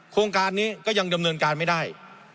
โครงการนี้ก็ยังดำเนินการไม่ได้